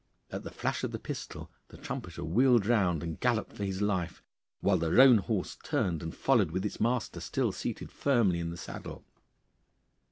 At the flash of the pistol the trumpeter wheeled round and galloped for his life, while the roan horse turned and followed with its master still seated firmly in the saddle.